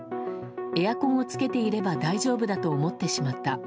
エアコンをつけていれば大丈夫だと思ってしまった。